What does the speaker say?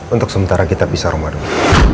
untuk sementara kita pisah rumah dulu